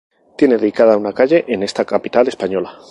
Tiene dedicada una calle en esta capital española.